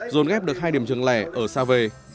dồn ghép được hai điểm trường lẻ ở xa về